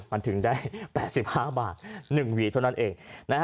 มันถึงได้๘๕บาท๑หวีเท่านั้นเอง